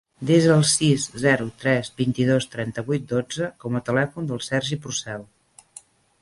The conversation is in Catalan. Desa el sis, zero, tres, vint-i-dos, trenta-vuit, dotze com a telèfon del Sergi Porcel.